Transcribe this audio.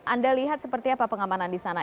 anda lihat seperti apa pengamanan di sana